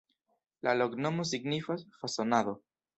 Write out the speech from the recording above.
La loknomo signifas: fasonado.